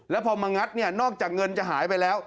แล้วพอมางัดเนี่ยนอกจากเงินจะหายไปแล้ว